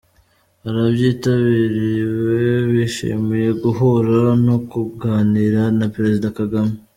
Ababyitabiriwe bishimiye guhura no kuganira na Perezida Kagame.